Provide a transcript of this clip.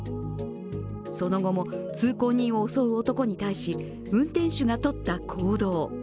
その後も通行人を襲う男に対し、運転手が取った行動。